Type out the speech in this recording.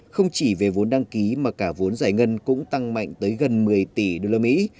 không chỉ về vốn đăng ký mà cả vốn giải ngân cũng tăng mạnh tới gần một mươi tỷ usd